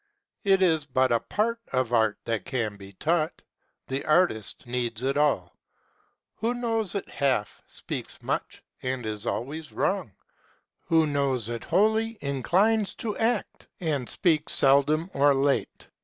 It is but a part of art that can be taught: the artist needs it all. Who knows it half, speaks much, and is always wrong : who knows it wholly, inclines to act, and speaks seldom or late.